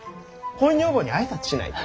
恋女房に挨拶しないと。